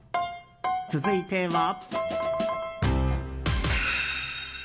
続いては。